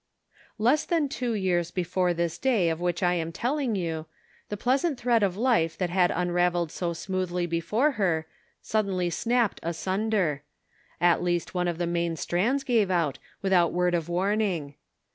Less than two years before this day of which I am telling you, the pleasant thread of life that had unraveled so smoothly before her suddenly snapped asunder ; at least one of the main strands gave out, without word of warn ing.